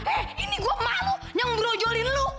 eh ini gue malu yang brojolin lo